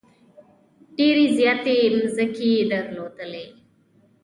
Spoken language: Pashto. ډېرې زیاتې مځکې یې درلودلې.